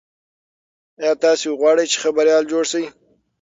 ایا تاسي غواړئ چې خبریال جوړ شئ؟